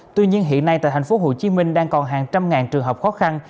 tuy nhiên hiện nay tại thành phố hồ chí minh đang còn hàng trăm ngàn trường hợp khó khăn